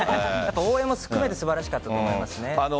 応援も含めて素晴らしかったと思いますね。